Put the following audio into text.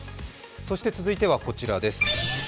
そして続いてはこちらです。